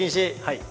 はい。